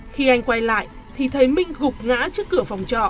khi anh quay lại thì thấy minh gục ngã trước cửa